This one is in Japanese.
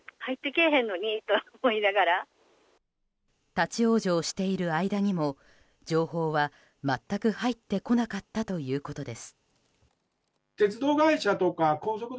立ち往生している間にも情報は全く入ってこなかったということです。